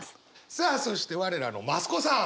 さあそして我らの増子さん！